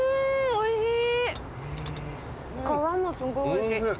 おいしい。